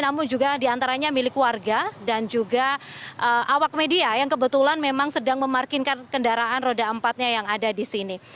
namun juga diantaranya milik warga dan juga awak media yang kebetulan memang sedang memarkinkan kendaraan roda empat nya yang ada di sini